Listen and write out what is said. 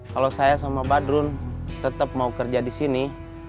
kalau saya sama badrun tetap mau kerja di sini